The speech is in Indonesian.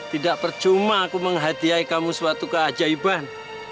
tidak percuma aku menghadiahi kamu suatu keajaiban